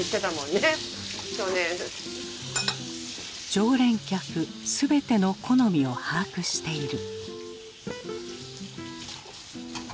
常連客全ての好みを把握している。